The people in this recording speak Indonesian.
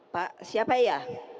pak siapa ya